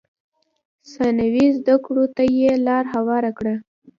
ثانوي زده کړو ته یې لار هواره کړه.